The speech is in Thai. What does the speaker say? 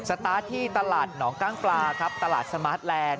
สตาร์ทที่ตลาดหนองกล้างปลาครับตลาดสมาร์ทแลนด